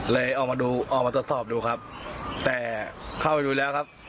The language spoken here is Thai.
ออกมาดูออกมาตรวจสอบดูครับแต่เข้าไปดูแล้วครับ